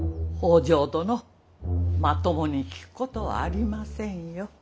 北条殿まともに聞くことはありませんよ。